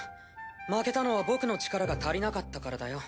負けたのは僕の力が足りなかったからだよ。